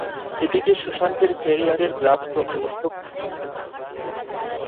এদিকে সুশান্তের ক্যারিয়ারের গ্রাফ ক্রমে ঊর্ধ্বমুখী।